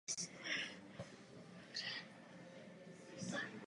Zemřel v padesáti letech na rakovinu.